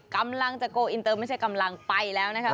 กำลังจะโกลอินเตอร์ไม่ใช่กำลังไปแล้วนะคะ